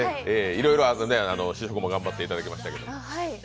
いろいろ試食も頑張っていただきましたけれども？